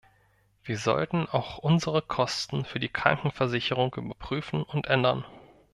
Wir sollten auch unsere Kosten für die Krankenversicherung überprüfen und ändern.